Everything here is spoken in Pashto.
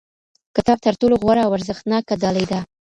کتاب تر ټولو غوره او ارزښتناکه ډالۍ ده.